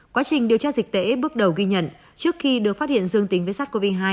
quá trình điều tra dịch tễ bước đầu ghi nhận trước khi được phát hiện dương tính với sars cov hai